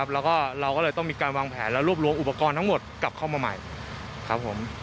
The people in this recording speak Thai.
แล้วก็เราก็เลยต้องมีการวางแผนและรวบรวมอุปกรณ์ทั้งหมดกลับเข้ามาใหม่ครับผม